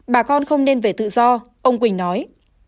bà con không nên về tự do ông quỳnh nói